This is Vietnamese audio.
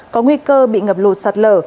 có nguy cơ bị ngập lụt sạt lở